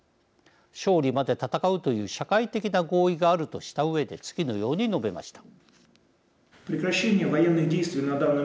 「勝利まで戦うという社会的な合意がある」としたうえで次のように述べました。